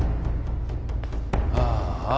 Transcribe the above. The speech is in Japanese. ああ